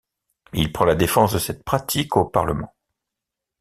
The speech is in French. Il prend la défense de cette pratique au Parlement.